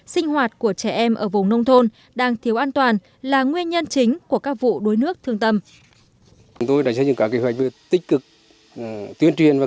sinh tập học tập học tập học tập học tập học tập học tập học tập học tập học tập học tập